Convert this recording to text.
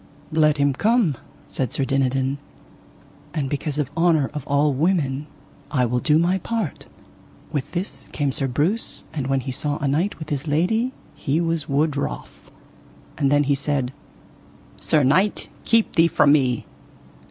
Let him come, said Sir Dinadan, and because of honour of all women I will do my part. With this came Sir Breuse, and when he saw a knight with his lady he was wood wroth. And then he said: Sir knight, keep thee from me.